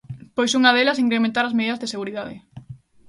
Pois, unha delas, incrementar as medidas de seguridade.